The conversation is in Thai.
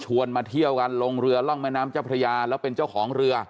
มาเที่ยวกันลงเรือร่องแม่น้ำเจ้าพระยาแล้วเป็นเจ้าของเรือ